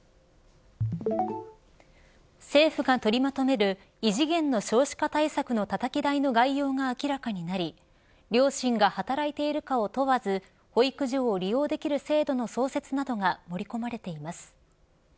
政府が取りまとめる異次元の少子化対策のたたき台の概要が明らかになり両親が働いているかを問わず保育所を利用できる制度の創設などが盛り込まれています。